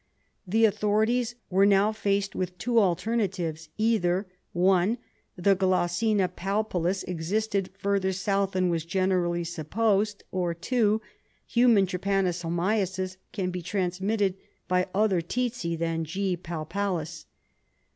The authorities were now faced with two alternatives, either (1) the Glossina palpalis existed further south than was generally supposed, or (2) human trypanosomiasis can be transmitted by other tsetse than G. palpalis.